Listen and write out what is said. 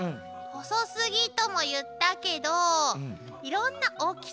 細すぎとも言ったけどいろんな大きさがあるわね。